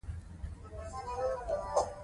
کله چې واک د خدمت پر ځای وکارول شي بحران راځي